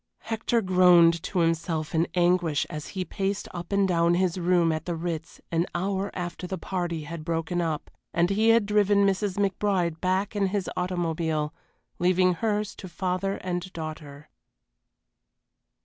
Hector groaned to himself in anguish as he paced up and down his room at the Ritz an hour after the party had broken up, and he had driven Mrs. McBride back in his automobile, leaving hers to father and daughter.